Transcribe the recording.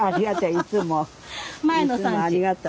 いつもありがとう。